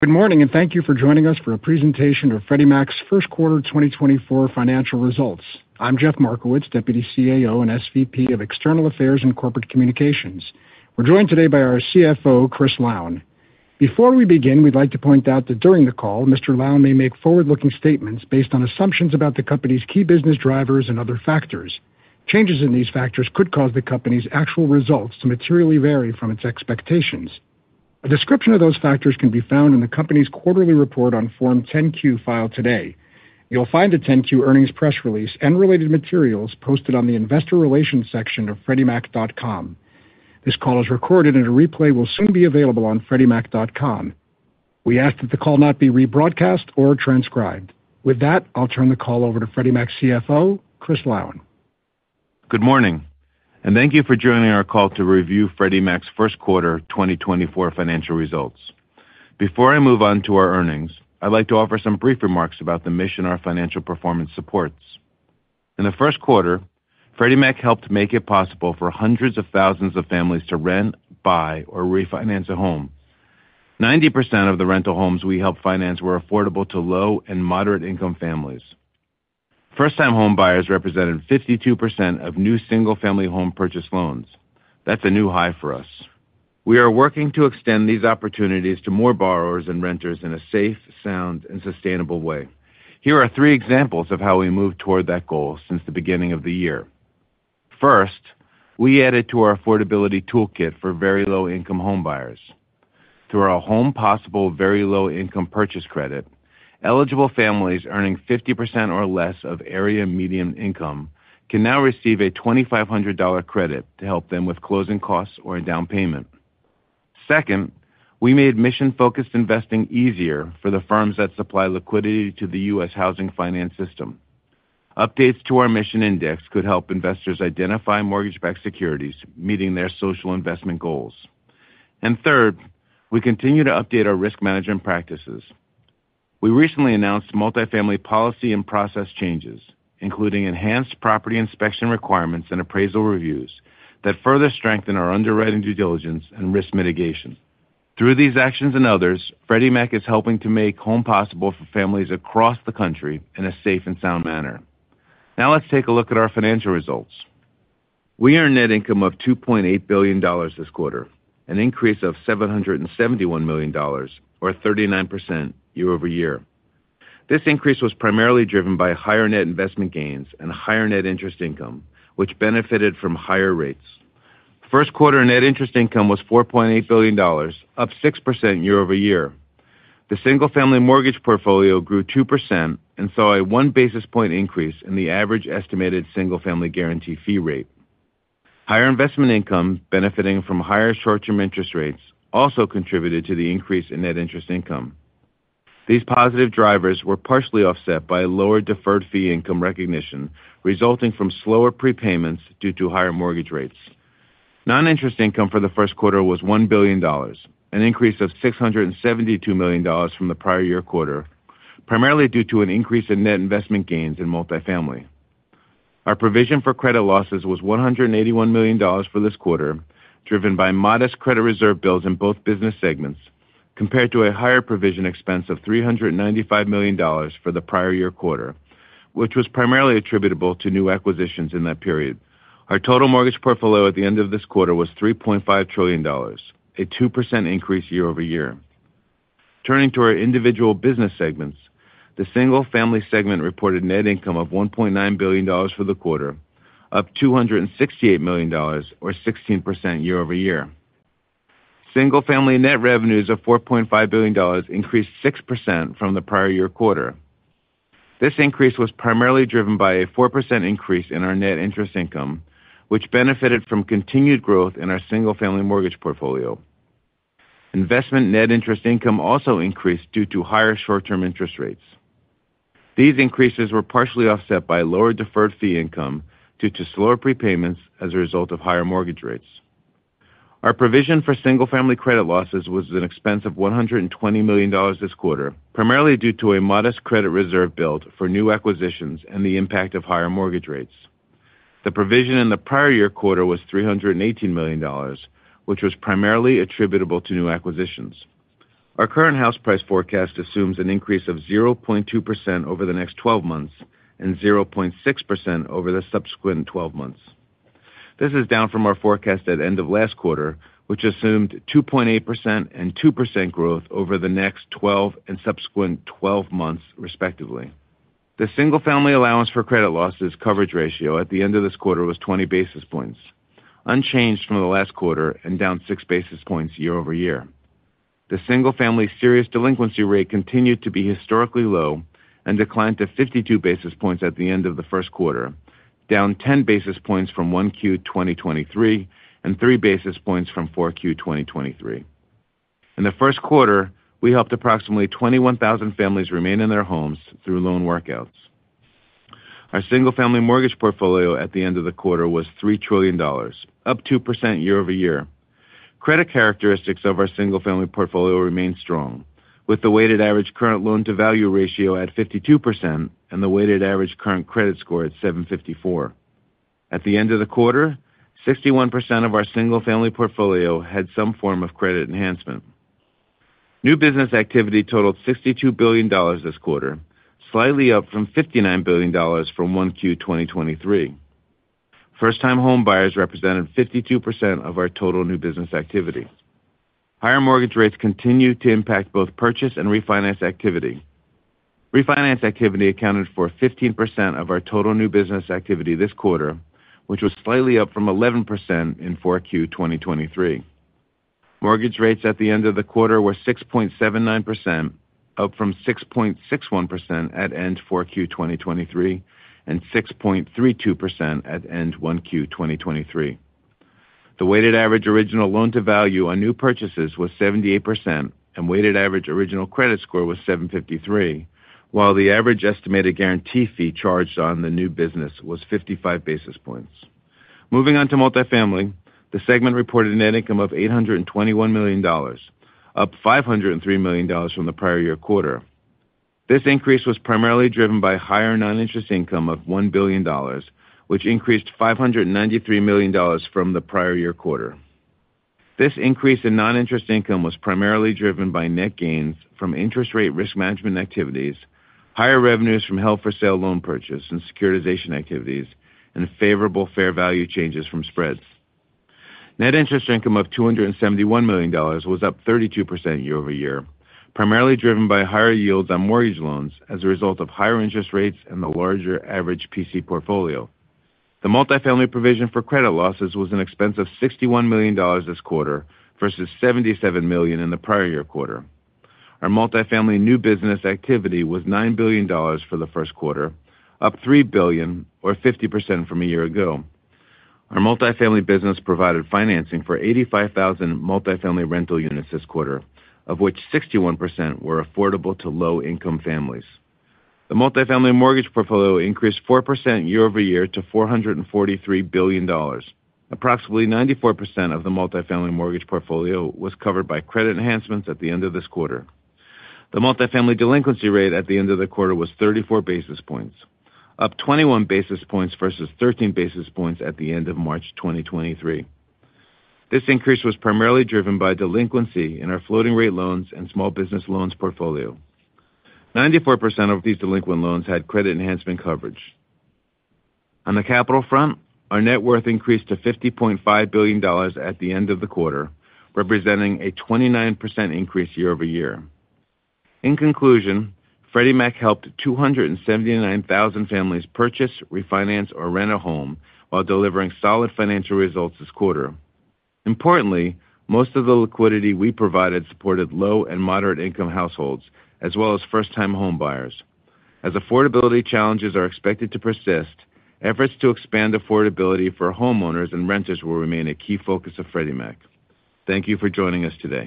Good morning, and thank you for joining us for a presentation of Freddie Mac's First Quarter 2024 Financial Results. I'm Jeff Markowitz, Deputy CAO and SVP of External Affairs and Corporate Communications. We're joined today by our CFO, Chris Lown. Before we begin, we'd like to point out that during the call, Mr. Lown may make forward-looking statements based on assumptions about the company's key business drivers and other factors. Changes in these factors could cause the company's actual results to materially vary from its expectations. A description of those factors can be found in the company's quarterly report on Form 10-Q filed today. You'll find the 10-Q earnings press release and related materials posted on the Investor Relations section of FreddieMac.com. This call is recorded, and a replay will soon be available on FreddieMac.com. We ask that the call not be rebroadcast or transcribed. With that, I'll turn the call over to Freddie Mac's CFO, Chris Lown. Good morning, and thank you for joining our call to review Freddie Mac's First Quarter 2024 Financial Results. Before I move on to our earnings, I'd like to offer some brief remarks about the mission our financial performance supports. In the first quarter, Freddie Mac helped make it possible for hundreds of thousands of families to rent, buy, or refinance a home. 90% of the rental homes we helped finance were affordable to low and moderate-income families. First-time homebuyers represented 52% of new single-family home purchase loans. That's a new high for us. We are working to extend these opportunities to more borrowers and renters in a safe, sound, and sustainable way. Here are three examples of how we moved toward that goal since the beginning of the year. First, we added to our affordability toolkit for very low-income homebuyers. Through our Home Possible Very Low Income Purchase Credit, eligible families earning 50% or less of Area Median Income can now receive a $2,500 credit to help them with closing costs or a down payment. Second, we made mission-focused investing easier for the firms that supply liquidity to the U.S. housing finance system. Updates to our Mission Index could help investors identify mortgage-backed securities, meeting their social investment goals. And third, we continue to update our risk management practices. We recently announced Multifamily policy and process changes, including enhanced property inspection requirements and appraisal reviews that further strengthen our underwriting due diligence and risk mitigation. Through these actions and others, Freddie Mac is helping to make home possible for families across the country in a safe and sound manner. Now let's take a look at our financial results. We earned net income of $2.8 billion this quarter, an increase of $771 million or 39% year over year. This increase was primarily driven by higher net investment gains and higher net interest income, which benefited from higher rates. First quarter net interest income was $4.8 billion, up 6% year over year. The single-family mortgage portfolio grew 2% and saw a one basis point increase in the average estimated single-family guarantee fee rate. Higher investment income, benefiting from higher short-term interest rates, also contributed to the increase in net interest income. These positive drivers were partially offset by a lower deferred fee income recognition, resulting from slower prepayments due to higher mortgage rates. Non-interest income for the first quarter was $1 billion, an increase of $672 million from the prior year quarter, primarily due to an increase in net investment gains in Multifamily. Our provision for credit losses was $181 million for this quarter, driven by modest credit reserve builds in both business segments, compared to a higher provision expense of $395 million for the prior year quarter, which was primarily attributable to new acquisitions in that period. Our total mortgage portfolio at the end of this quarter was $3.5 trillion, a 2% increase year-over-year. Turning to our individual business segments, the Single-Family segment reported net income of $1.9 billion for the quarter, up $268 million or 16% year-over-year. Single-family net revenues of $4.5 billion increased 6% from the prior year quarter. This increase was primarily driven by a 4% increase in our net interest income, which benefited from continued growth in our single-family mortgage portfolio. Investment net interest income also increased due to higher short-term interest rates. These increases were partially offset by lower deferred fee income due to slower prepayments as a result of higher mortgage rates. Our provision for single-family credit losses was an expense of $120 million this quarter, primarily due to a modest credit reserve build for new acquisitions and the impact of higher mortgage rates. The provision in the prior year quarter was $318 million, which was primarily attributable to new acquisitions. Our current house price forecast assumes an increase of 0.2% over the next 12 months and 0.6% over the subsequent 12 months. This is down from our forecast at end of last quarter, which assumed 2.8% and 2% growth over the next 12 and subsequent 12 months, respectively. The single-family allowance for credit losses coverage ratio at the end of this quarter was 20 basis points, unchanged from the last quarter and down 6 basis points year-over-year. The single-family serious delinquency rate continued to be historically low and declined to 52 basis points at the end of the first quarter, down 10 basis points from 1Q 2023 and 3 basis points from 4Q 2023. In the first quarter, we helped approximately 21,000 families remain in their homes through loan workouts. Our single-family mortgage portfolio at the end of the quarter was $3 trillion, up 2% year-over-year. Credit characteristics of our single-family portfolio remain strong, with the weighted average current loan-to-value ratio at 52% and the weighted average current credit score at 754. At the end of the quarter, 61% of our single-family portfolio had some form of credit enhancement. New business activity totaled $62 billion this quarter, slightly up from $59 billion from 1Q 2023. First-time home buyers represented 52% of our total new business activity. Higher mortgage rates continued to impact both purchase and refinance activity. Refinance activity accounted for 15% of our total new business activity this quarter, which was slightly up from 11% in 4Q 2023. Mortgage rates at the end of the quarter were 6.79%, up from 6.61% at end 4Q 2023, and 6.32% at end 1Q 2023. The weighted average original loan-to-value on new purchases was 78%, and weighted average original credit score was 753, while the average estimated guarantee fee charged on the new business was 55 basis points. Moving on to multifamily, the segment reported a net income of $821 million, up $503 million from the prior year quarter. This increase was primarily driven by higher non-interest income of $1 billion, which increased $593 million from the prior year quarter. This increase in non-interest income was primarily driven by net gains from interest rate risk management activities, higher revenues from held-for-sale loan purchase and securitization activities, and favorable fair value changes from spreads. Net interest income of $271 million was up 32% year-over-year, primarily driven by higher yields on mortgage loans as a result of higher interest rates and the larger average PC portfolio. The Multifamily provision for credit losses was an expense of $61 million this quarter versus $77 million in the prior year quarter. Our Multifamily new business activity was $9 billion for the first quarter, up $3 billion or 50% from a year ago. Our Multifamily business provided financing for 85,000 Multifamily rental units this quarter, of which 61% were affordable to low-income families. The Multifamily mortgage portfolio increased 4% year-over-year to $443 billion. Approximately 94% of the Multifamily mortgage portfolio was covered by credit enhancements at the end of this quarter. The Multifamily delinquency rate at the end of the quarter was 34 basis points, up 21 basis points versus 13 basis points at the end of March 2023. This increase was primarily driven by delinquency in our floating rate loans and Small Balance Loans portfolio. 94% of these delinquent loans had credit enhancement coverage. On the capital front, our net worth increased to $50.5 billion at the end of the quarter, representing a 29% increase year-over-year. In conclusion, Freddie Mac helped 279,000 families purchase, refinance, or rent a home while delivering solid financial results this quarter. Importantly, most of the liquidity we provided supported low and moderate income households, as well as first-time home buyers. As affordability challenges are expected to persist, efforts to expand affordability for homeowners and renters will remain a key focus of Freddie Mac. Thank you for joining us today.